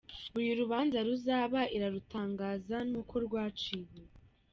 Buri rubanza ruzaba irarutangaza n’uko rwaciwe.